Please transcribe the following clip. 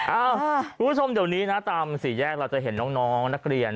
คุณผู้ชมเดี๋ยวนี้นะตามสี่แยกเราจะเห็นน้องนักเรียน